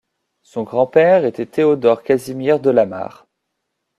Son grand-père était Théodore Casimir Delamarre.